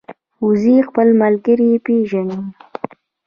وزې خپل ملګري پېژني